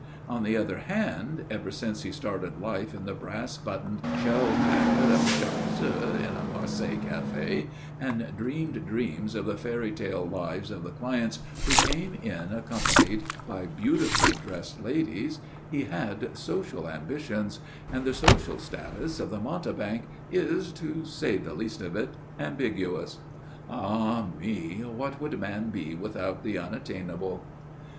On the other hand, ever since he started life in the brass buttoned shell jacket of a chasseur in a Marseilles café, and dreamed dreams of the fairytale lives of the clients who came in accompanied by beautifully dressed ladies, he had social ambitions and the social status of the mountebank is, to say the least of it, ambiguous. Ah me! What would man be without the unattainable?